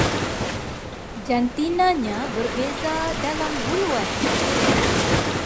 Jantinanya berbeza dalam buluan